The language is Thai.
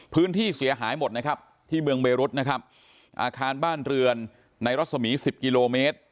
พื้นที่เสียหายหมดนะครับที่เมืองเบรุษนะครับอาคารบ้านเรือนในรัศมี๑๐กิโลเมตร